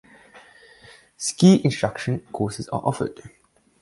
Ski instruction courses are offered.